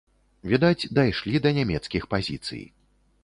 Відаць, дайшлі да нямецкіх пазіцый.